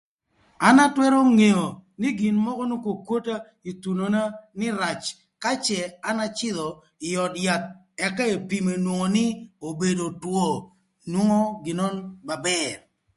An atwërö ngeo nï gin mökö okwokwota ï thunona nï rac ka cë an acïdhö ï öd yath ëka epimo enwongo nï obedo two nwongo gin nön ba bër